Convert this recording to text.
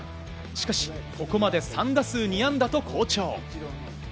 しかし、ここまで３打数２安打と好調。